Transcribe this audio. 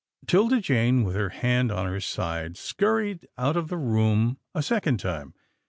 'Tilda Jane, with her hand on her side, scurried out of the room a second time.